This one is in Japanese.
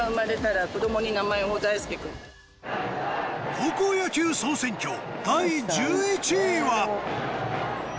高校野球総選挙第１１位は。